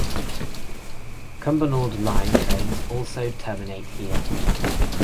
Cumbernauld Line trains also terminate here.